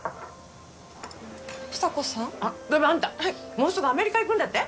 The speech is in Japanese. もうすぐアメリカ行くんだって？